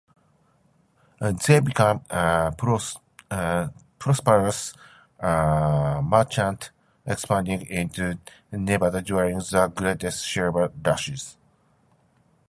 They became prosperous merchants, expanding into Nevada during the great silver rushes.